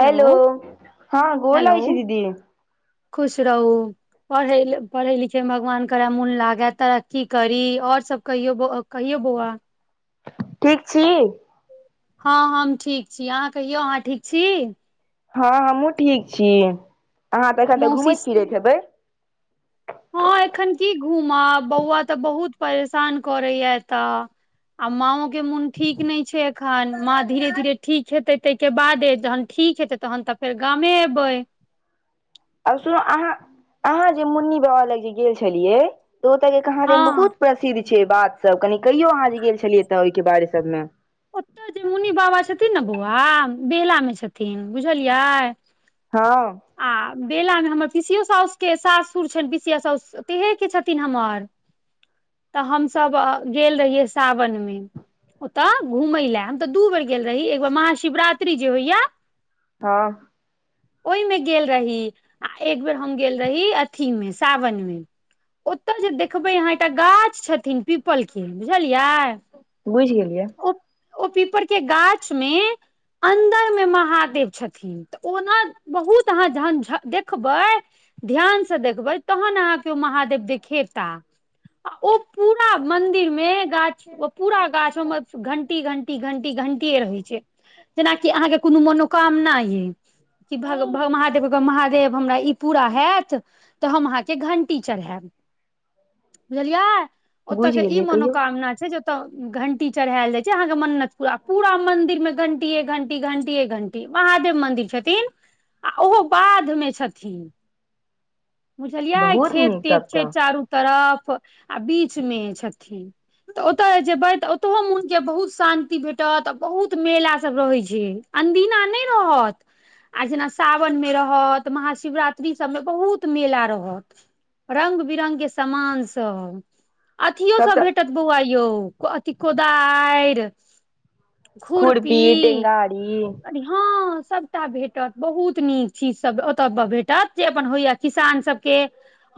hello हँ गोर hello लागै छै दीदी खुश रहू पढ़ पढ़ै लिखयमे भगवान करय मोन लागए तरक्की करी आओर सब कहियो कहियो बौआ ठीक छी हँ हम ठीक छी अहाँ कहियौ अहाँ ठीक छी हँ हमहुँ ठीक छी अहाँ तऽ एखन तऽ मौसी घूमैत फिरैत हेबै हँ एखन की घूमब बौआ तऽ बहुत परेशान करैया एतऽ आ माँओ के मोन ठीक नहि छै एखन माँ धीरे धीरे ठीक हेतै ताहिके बादे जहन ठीक हेतै तहन तऽ फेर गामे एबै आब सुन अहाँ अहाँ जे मुन्नी बाबा लग जे गेल छलियै तऽ ओत कहााँ हँ बहुत प्रसिद्ध छै बात सब कनि कहियो अहाँ जे गेल छलियै तऽ ओहिके बारे सबमे ओतय जे मुनि बाबा छथिन ने बौआ बेला मे छथिन बुझलियै हँ आ बेला मे हमर पिसियो साासु के सासुर छनि पीसिया सासु तेहे के छथिन हमर तऽ हमस गेल रहिय सावन मे ओतऽ घूमय लए हम तऽ दू बेर गेल रही एकार महाशिवरात्रि जे होइया हँ ओहिमे गेल रही आ एक बेर हम गेल रही अथी मे सावन मे ओतय जे देखबै अहाँ एकटा गाछ छथिन पीपल के बुझलियै बुझि गेलियै ओ ओ पीपर के गाछ मे अन्दर मे महादेव छथिन तऽ ओना बहुत अहाँ जहन देखबै ध्यानसँ देखबै तहन अहाँके ओ महादेव देखेताह आ ओ पूरा मंदिर में गाछ पूरा गाछ ओमे घंटी घंटी घंटी घंटीए रहै छै जेनाकि अहाँके कोनो मनोकामना ये कि भ महादेव महादेव हमरा ई पूरा होयत तऽ हम अहाँके घंटी चढ़ायब बुझलियै ओतय बुझि के ई गेलियै कहियौ मनोकामना छै जे ओतय घंटी चढ़ायल जाइ छै अहाँके मन्नत पुरा पूरा मंदिर मे घंटीए घंटी घंटीए घंटी महादेव मंदिर छथि आ ओहो बाद मे छथिन बुझलियै बहुत खेत नीक तेत तब छै तऽ चारू तरफ आ बीच मे छथिन तऽ ओतय जेबै तऽ मनके बहुत शानं्ति भेटत आ बहुत मेला सभ रहै छै अनदीना नहि रहत आ जेना सावन मे रहत महाशिवरात्रि सबमे बहुत मेला रहत रंग बिरंग के सामान सब अथियो तब सब तऽ भेटत बौआ यौ अथि कोदारि खुरपी हँ सभटा भेटत बहुत नीक चीज सब ओतय पर भेटत जे अपन होइया किसान सबके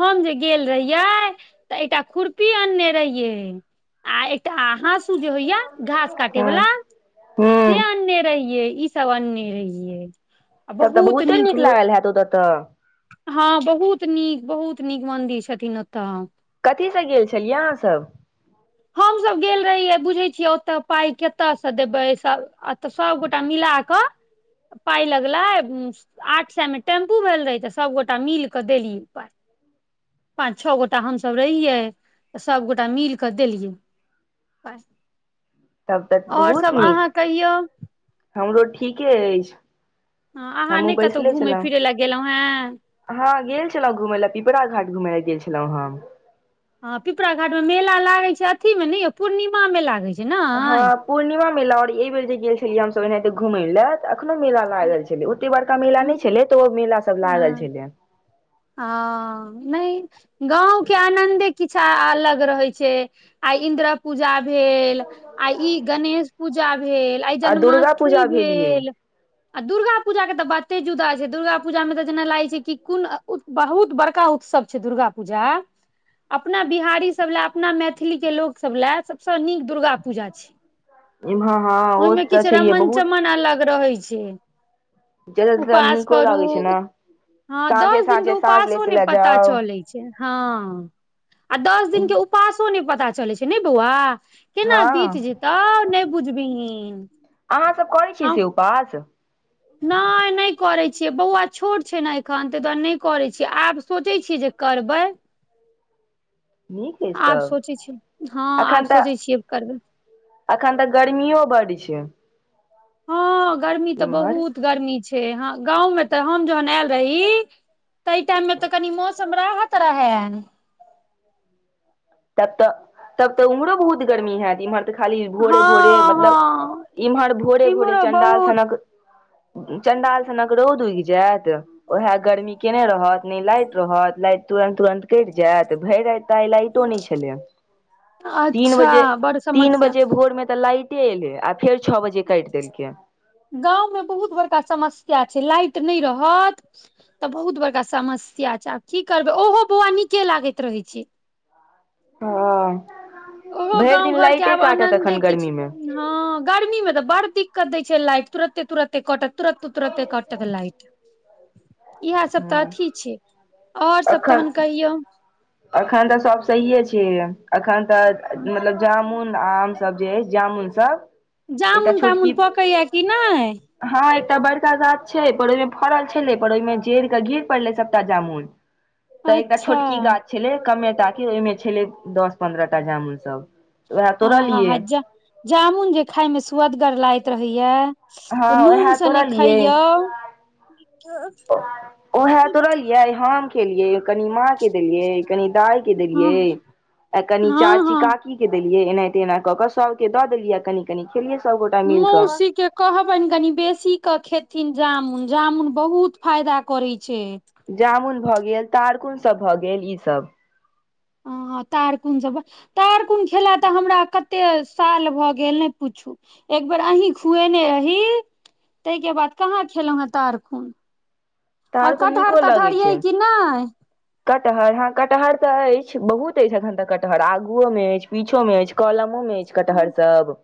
हम जे गेल रहिये तऽ एकटा खुरपी अनने रहिये आ तऽ आहाँसू जे होइया घास काटे हँ वलाा से हूँ अनने रहियै ई सब अनने रहियै आ तब तऽ बहुत बहुते नीक हो लागल होयैत ओत तऽ हँ बहुत नीक बहुत नीक मन्दिर छथिन ओतऽ कथीसँ गेल छलियै अहाँसभ हम सब गेल रहियै बुझे छियै ओते पाई कतय से देबे अतऽ सबगोटा मिलाक क पाइ लगलै आठ सायमे टेम्पू भेल रहै ते सबगोटा मिलके देलीयै पाइ पाँच छओ गोटा हमसभ रहियै त सबगोटा मिल क देलियै तब तऽ आओर बहुत सब नीक अहाँ कहियौ हमरो ठीके अछि हाँ अहाँ हमहूँ नहि कतहु घूमैय फिरै लए गेलहुँ हेँ हाँ गेल छलहूँ घूमैय लए पिपरा घाट घूमैय लए गेल छलहुँ हँ हाँ पिपरा घाटमे मेला लागे छै अथी मे ने यै पूर्णिमामे लागै छै ने हाँ पूर्णिमा मेला आओर एहि बेेर जे गेल छलियै हमसभ एनाहिते घूमैय लए अखनो मेला लागल छलै ओते बड़का मेला नहि छलै तऽ ओ मेला सब लागल छलै हाँ नहि गाँवके आनन्दे किछ अलग रहै छै आ इंद्र पूजा भेल आ इ गणेश पूजा भेल आइ आ दुर्गा जन्माष्टमी पूजा भेलियै भेल आ दुर्गा पूजा के तऽ बाते जुदा छै दुर्गा पूजामे तऽ जेना लागै छै कि कोन बहुत बड़का उत्सव छै दुर्गा पूजा अपना बिहारी सब लए अपना मैथिली के लोक सब लए सबसऽ नीक दुर्गा पूजा छै इम्हर हँ ओ ओहिमे तऽ किछ छैहे रमन बहुत चमन अलग रहै छै ज्यादा उपास नीको करू लागै छै ने हाँ साँझे दस साँझे साँझ उपासो लेस नहि लए पता जाउ चलै छै हाँ आ दस दिन उ पासो नहि पता चलै छै ने बौआ केना हँ बीत जेतौ नहि बुझबीहिन अहाँ सब करै छियै से उपास नहि नहि करै छियै बौआ छोट छै ने एखन ताहि दुआरे नहि करैत छियै आब सोचै छियै जे करबै नीक अछि आब तब सोचै छी हाँ एखन आब तऽ सोचै छियै करबै अखन तऽ गर्मियो बड्ड छै हाँ गर्मी तऽ इम्हर बहुत गर्मी छै हाँ गाँंवमें तऽ हम जहन आयल रही ताहि टाइममे तऽ कनि मौस- समराहत रहाए तब तऽ तब तऽ उम्हरो बहुत गर्मी हाएत इम्हर तऽ खाली भोरे भोरे हँ मतलब हँ इम्हर भोरे भोरे इम्हरो चंडाल बहुत सनक चंडालसनक रौद उगि जायत ओएह गर्मी केने रहत ने लाइट रहत लाइट तुरंत तुरंत कटि जायत भरि राति आइ त लाइट नहि छलै या तीन अच्छा बजे बड़ तीन समस्या बजे भोरमे तऽ लाइट लाइटे एले या आ फेर छओ बजे काटि देलकै गाँवमे बहुत बड़का समस्या छै लाइट नहि रहत तऽ बहुत बड़का समस्या छै आब की करबै ओहो बौआ नीके लागैत रहै छै हाँ ओहो भरि दिन लाइटे काटत अखन गर्मीमे हाँ गर्मीमे तऽ बड्ड दिक्कत दैय छै लाइट तुरते तुरते कटत तुरत उतुरते कटक लाइट इएह सब तऽ हँ अथी छै और सब तहन कहियौ एखन तऽ सब सहिये छै एखन तऽ मतलब जामुन आम सब जे अइ जामुन सब जामुन तामुन पकैया कि नहि हाँ एकटा बड़का गाछ छै पर ओहिमे फड़ल छै पर ओहिमे टेरके गिर पड़ले सबटा जामुन तऽ एकटा अच्छा छोटकी गाछ छलै कमेटाके ओहिमे छलै दस पन्द्रह टा जामुन सब तऽ उएह तोड़लियै आ-हह-जा-जामुन जे खायमे सुअदगर लागैत रहैया हँ ओ उएह नूनसँने खाइयो ओहै तोड़लियै हम खेलियै कनि माँ के देलियै कनि दाइ की हँ देलियै आ कनि हँ चाची हँ की के देलियै एनाहिते एना कऽ कऽ सबके दऽ देलियै या कनिक कनि खेलियै सब गो मौसी के कहबनि कनि बेसी के खेथिन जामुन जामुन बहुत फायदा करै छै जामुन भऽ गेल तारकुनसभ भऽ गेल ईसभ तारकुन जबै तारकुन खेला तऽ हमरा कते साल भऽ गेल नहि पूछू एकबेर अहीं खुएने रही ताहिके बाद कहाँ खेलौं हैं तारखुन और तारकुन कटहर नीको तटहर लगै यै छै कि नहि कटहर हँ कटहर तऽ अछि बहुत अछि एखन तऽ कटहर आगुओ मे अछि पीछो मे अछि कलमो मे अछि कटहर सब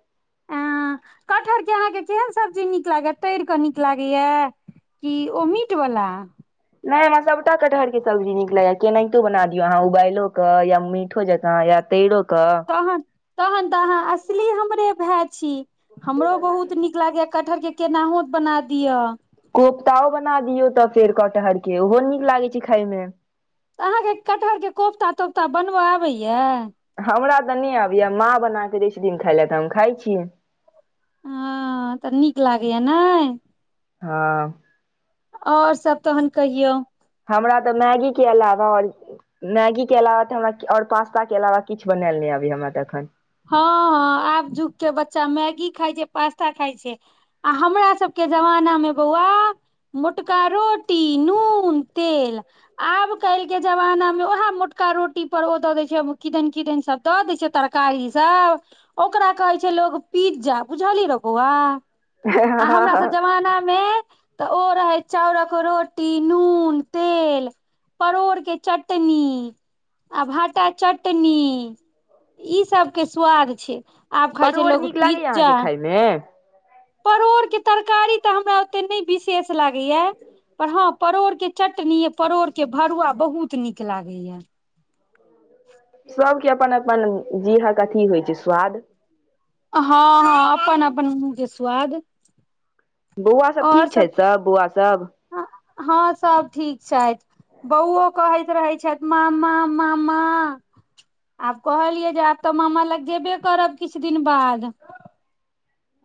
आं कटहरके अहाँके केहन सब्जी नीक लागैया तड़ि कऽ नीक लागैया की ओ मीट बला नहि हमरा सभटा कटहरके सब्जी नीक लगैया केनाहितो बना दियौ अहाँ उबालिओ कऽ या मीठो जेकाँ या तैड़ोक तहन तहन तऽ अहाँ असली हमरे भाय छी हमरो बहुत नीक लागैया कटहर के केनाहो बना दिअ कोफ्तओ बना दियौ तऽ फेर कटहर के ओहो नीक लागैत छै खायमे तऽ अहाँके कटहरके कोफ्ता तोफ्ता बनबय आबैया हमरा तऽ नहि आबैया माँ बनाके [unintelligible] खायइ लए तऽ हम खाय छियै हँ तऽ नीक लागैया नै हँ और सब तहन कहियौ हमरा तऽ मैगी के अलावा और मैगी के अलावा तऽ हमरा और पास्ता के अलावा किछु बनायल नहि अबैया हमरा तऽ एखन हँ आब झुक के बच्चा मैगी खाइ छै पास्ता खाइ छै आ हमरा सबके जमाना मे बौआ मोटका रोटी नून तेल आब कालिके जमाना मे उएह मोटका रोटी पर ओ दऽ दै छै किदन किदन सभ दऽ दै छियै तरकारी सब ओकरा कहै छै लोग पिज्जा बुझली रऽ बौआ आ हमरा सब जमानामे तऽ ओ रहै चाउरक रोटी नून तेल परोड़ के चटनी आ भाटा चट बाढ निक ई सब स्वाद छै आब खाय छै परोड़ लोग नीक लागैये पिज्जा अहाँके खायमे परोड़ के तरकारी तऽ हमरा ओते नहि विशेष लागैया पर हाँ परोड़ के चटनी परोड़ के भरुआ बहुत नीक लागेयै सबके अपन अपन जीहक अथी होइ छै स्वाद हँ अपनन अपनन मुह के स्वाद बौआ सब ठीक छै सब बौआ सब हँ सब ठीक छथि बौओ कहैत रहै छथि मामा मामा आब कहलियै जे आब तऽ मामा लग जेबे करब किछु दिन बाद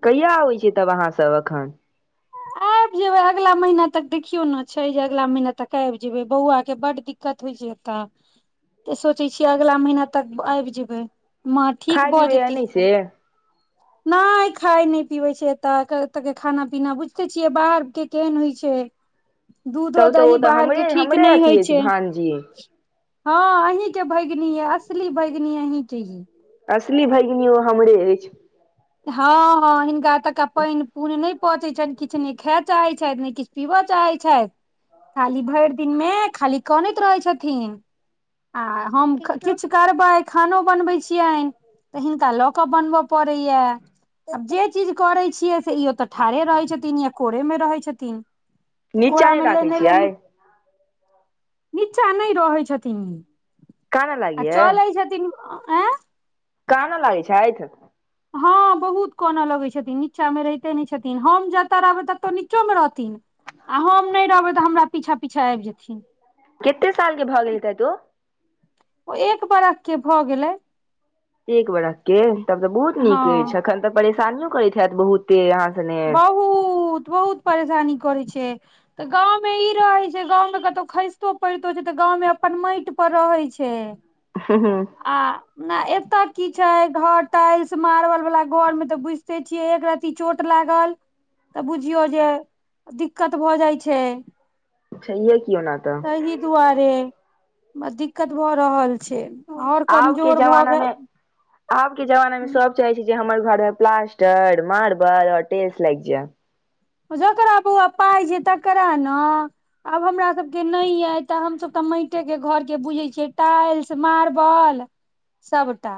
कहिया आबै छियै तब अहाँ सब एखन आबि जेबै अगला महिना तक देखियौ ने छै जे अगला महिना तक आबि जेबै बौआ के बड दिक्क दिक्कत होइ छै एतऽ त सोचै छियै अगला महीना तक आबि जेबै माँ ठीक खाय भऽ पिबैये जथिन नहि से कनि नहि खाय नहि पीबे छै एत अहांके एत के खाना पीना बुझते छियै बाहर के केहन होइ छै दूधो तब तऽ ओ दही तऽ बाहरके हमरे ठीक हमरे नहि अथी होइ अछि छै भानजी हँ अहीं के भगिन ये असली भगिन अहीं के ये असली भगिन ओ हमरे अछि हँ हँ हिनका एतका पनि [unintelligible] नहि पचैत छ किछु नहि खाय चाहैत छथि ने किछु पीबऽ चाहैत छथि खाली भरि दिनमे खाली कनैत रहै छथिन आ हम किछु करबै खानो बनबे छियै तऽ हिनका लऽ के बनबय पड़ैया आब जे चीज करै छियै से ई ओ तऽ ठाढ़े रहै छथिन या कोरे मे रहै छथिन तऽ नीचा कोरा नहि मे राखै लेने लेने छियै निचा नहि रहै छथिन कानऽ आ लागैये चलै छथिन अं आंय काने लागै छथि हँ बहुत कानऽ लगै छथिन नीचा मे रहिते नहि छथिन हम जतऽ रहबै ततऽ नीचो मे रहथिन आ हम नहि रहबै तऽ हमरा पीछा पीछा आबि जेथिन कते सालके भ गेल तैत ओ ओ एक बरख के भऽ गेलै एक बरख के तब तऽ बहुत हँ नीक अछि अखन तऽ परेशानियो करैत हैत बहुते अहाँ सने बहुत बहुत परेशानी करै छै तऽ गांव मे ई रहै छै गांव में कतौ खसितो पड़ितो छै तऽ गांव में अपन माटि पर रहै छै हम्म हम्म आ ने एता की छै घर टाइल्स मारबल वाला घर में ते बुझते छीये एक रती चोट लागल तऽ बुझियौ जे दिक्कत भऽ जाइ छै छैहे कि ओना तऽ त दुआरे दिक्कत भऽ रहल छै आओर आब के कमजोर भऽ जमाना गेल मे [inaudible] आब के जमाना में सब चाहे छै जे हमर घर में प्लास्टर मार्बल और टेल्स लागि जाय जकरा बाॅआ पाइ छै तकरा नऽ आब हमरा सभके नहि अइ तऽ हमसभ तऽ माटेके घरके बुझैत छियै टाइल्स मारबल सबटा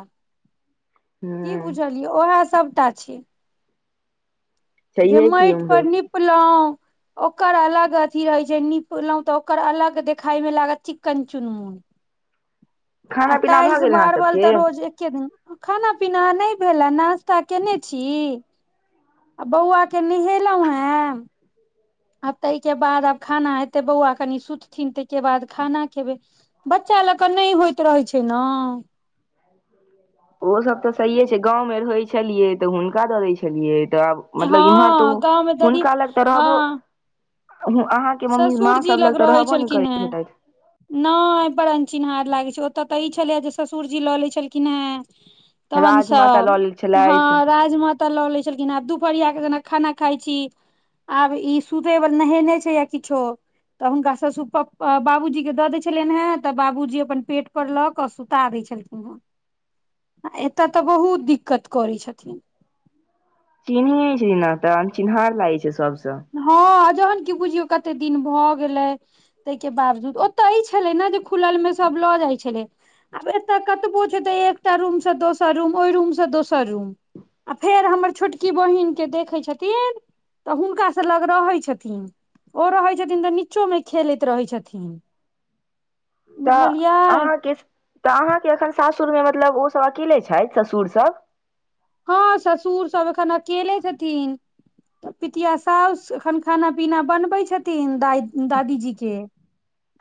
की हूं बुझलियै ओएह सभटा छी जे छैहे की माटि पर उम्हरो निपलहुँ ओकर अलग अथी रहे छै नीपलहुं तऽ ओकर अलग देखाय में लागत चिक्कन चुनमुन खाना आ पीना भऽ टाइल्स गेल अहाँ मारबल सबके तऽ रोज एक केदनि खाना पीना नहि भेल या नास्ता केने छी आ बौआ के नहेलहुं हैं आ ताहिके बाद आब खाना हेते बौआ कनि सुतथिन ताहिके बाद खाना खेबै बच्चा ल क नहि होइत रहै छै ने [inaudible] ओ सब तऽ सहिये छै गाँवमे रहै छलियै तऽ हुनका दऽ दै छलियै तब हँ मतलब इम्हर त गाँवमे ओ ददी हुनका लग तऽ हँ रहबो उ अहाँ के मम्मी ससुर माँ जी सब लग तऽ रहै रहबो ने छलखिन करैत हेँ हेतैत नहि एहि पर अनचिन्हार लागे छै ओतय तऽ ई छले जे ससुरजी लऽ ले छलखिन हे तहन राजमाता सब लऽ लेल हँ छलथि राजमा ल ले छलखिन आ दुपहरिया के जेना खाना खाइ छी आब ई सूते नहेने छै किछु त हुनका ससुर प बाबूजी के द दै छलियनि है त बाबूजी अपन पेट पर ल क सुता द छै ह एतय तऽ बहुत दिक्कत करै छथिन चिन्ह छैना त अनचिन्हार लागै छै सबसँ हँ जहन की बुझियौ कते दिन भ गेलै ताहिके बावजूद ओत ई छले ने जे खुलल मे सभ ल जाइ छलै आब एतय कतबोत एकटा रूम सँ दोसर रूम ओहि रूम सँ दोसर रूम आ फेर हमर छोटकी बहिन के देखे छथिन त हुनका से लग रहै छथिन ओ रहै छथिन त नीचो मे खेलैत रहै छथिन बुझलियै त अहाँ केँ एखन सासुरमे मतलब ओसभ अकेले छथि ससुर सभ हँ ससुर सभ एखन अकेले छथिन तऽ पितिया सास एखन खाना पीना बनबै छथिन द दादीजी के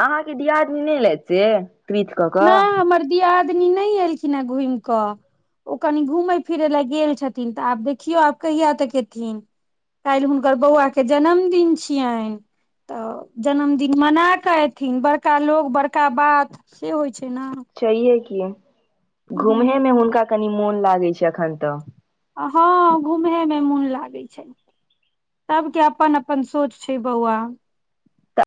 अहाँकेँ दियादनी नहि ले से पृथ कऽ कऽ दीयादनी नहि एलखिन हे घुमि कऽ ओ कनि घुमय फिरै लए गेल छथिन त आब देखियो आब कहिया तक एथिन काल्हि हुनकर बौआ के जन्मदिन छियनि त जन्मदिन मना क ऐथिन बड़का लोक बड़का बात से होइ छै ने छैे की घूमेे मे हूँ हुनका कनि मोन लागै छै अखन तऽ हँ घूमे मे मोन लागैत छै सबके अपन अपन सोच छै बौआ